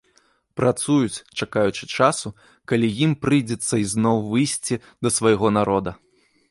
Працуюць, чакаючы часу, калі ім прыйдзецца ізноў выйсці да свайго народа.